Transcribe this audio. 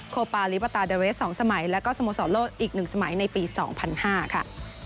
โคปาริปราตาเดเวส๒สมัยและสโมสอลโลตอีก๑สมัยในปี๒๐๐๕ค่ะ